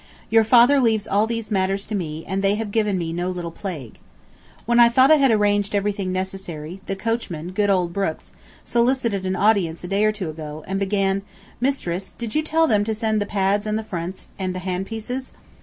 Your father leaves all these matters to me, and they have given me no little plague. When I thought I had arranged everything necessary, the coachman, good old Brooks, solicited an audience a day or two ago, and began, "Mistress, did you tell them to send the pads and the fronts and the hand pieces?"